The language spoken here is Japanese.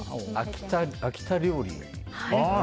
秋田料理。